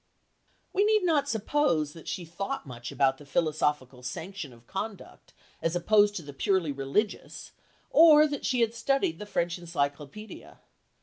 We need not suppose that she had thought much about the philosophical sanction of conduct as opposed to the purely religious, or that she had studied the French Encyclopædia.